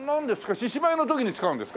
獅子舞の時に使うんですか？